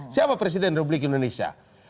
siapa presiden republik indonesia